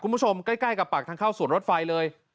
คุณผู้ชมใกล้กับปากทางเข้าสวนรถไฟเลย